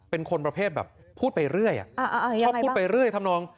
เป็นคนประเภทแบบพูดไปเรื่อยอ่ะอ่าอ่ายังไงบ้างพูดไปเรื่อยทำนอง